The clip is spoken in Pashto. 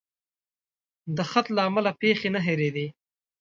د خط له امله پیښې نه هېرېدې.